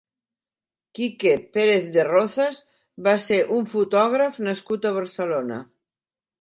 Kike Pérez de Rozas va ser un fotògraf nascut a Barcelona.